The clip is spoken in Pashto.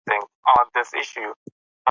انټرنیټ د زده کړې متنوع لارې برابروي.